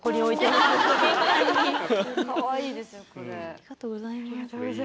ありがとうございます。